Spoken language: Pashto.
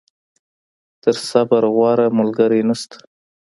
تر صبر، غوره ملګری نشته.